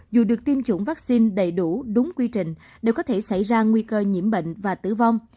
dù được tiêm chủng vaccine đầy đủ đúng quy trình đều có thể xảy ra nguy cơ nhiễm bệnh và tử vong